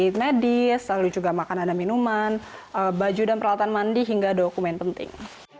dari medis lalu juga makanan dan minuman baju dan peralatan mandi hingga dokumen penting